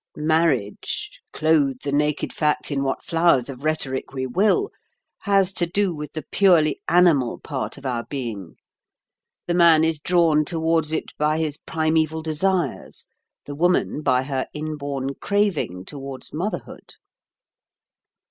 Marriage—clothe the naked fact in what flowers of rhetoric we will—has to do with the purely animal part of our being. The man is drawn towards it by his primeval desires; the woman by her inborn craving towards motherhood."